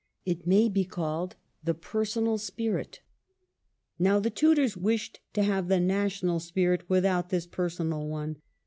It may be called the "personal" spirit. Now the Tudors wished to have the national spirit without this personal one.